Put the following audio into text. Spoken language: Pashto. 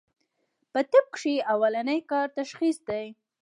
پۀ طب کښې اولنی کار تشخيص دی